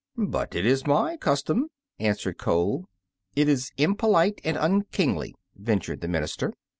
"But it is my custom," answered Cole. "It is impolite, and unkingly!" ventured the minister.